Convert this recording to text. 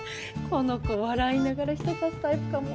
この子笑いながら人刺すタイプかも。